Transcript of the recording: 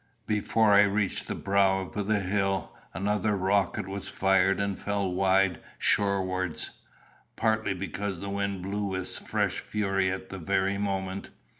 Before I reached the brow of the hill another rocket was fired and fell wide shorewards, partly because the wind blew with fresh fury at the very moment.